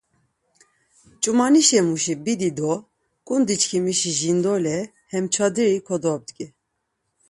Ç̌umanişemuşi bidi do ǩundi çkimişi jindole hem çadiri kodobdgi.